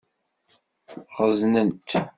Ɣeẓnent.